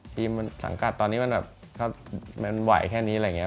สังกัดตอนนี้มันแบบถ้ามันไหวแค่นี้อะไรอย่างนี้